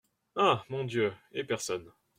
Ah ! mon Dieu, et personne !…